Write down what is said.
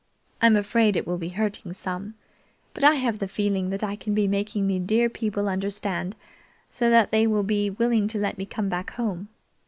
"I'm afraid it will be hurting some, but I have the feeing that I can be making my dear people understand, so that they will be willing to let me come back home.